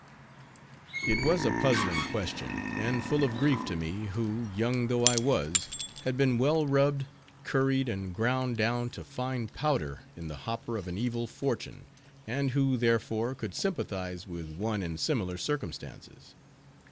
It was a puzzling question, and full of grief to me, who, young though I was, had been well rubbed, curried, and ground down to fine powder in the hopper of an evil fortune, and who therefore could sympathize with one in similar circumstances.